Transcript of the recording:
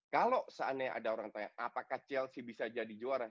kalau seandainya ada orang tanya apakah chelsea bisa jadi juara